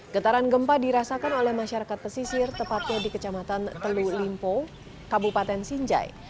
getaran gempa dirasakan oleh masyarakat pesisir tepatnya di kecamatan teluk limpo kabupaten sinjai